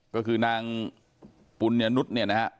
ก็คือนางปุญญนุษย์เนี่ยนะฮะ